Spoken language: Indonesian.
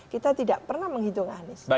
kita tidak pernah menghitung anies